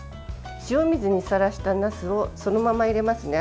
塩水にさらしたなすをそのまま入れますね。